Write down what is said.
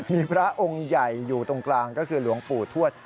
มีพระองค์ใหญ่อยู่ตรงกลางก็คือหลวงปู่ทวด